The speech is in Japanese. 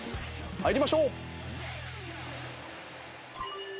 参りましょう。